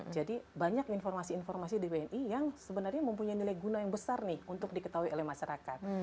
jadi banyak informasi informasi di bni yang sebenarnya mempunyai nilai guna yang besar nih untuk diketahui oleh masyarakat